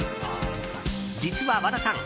実は和田さん